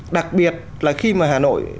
đặc biệt là khi mà hà nội